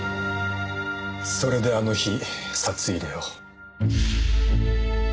それであの日札入れを。